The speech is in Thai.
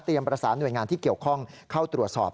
ประสานหน่วยงานที่เกี่ยวข้องเข้าตรวจสอบ